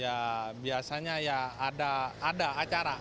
ya biasanya ya ada acara